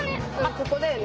ここだよね。